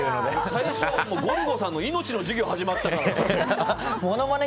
最初ゴルゴさんの命の授業始まったかと。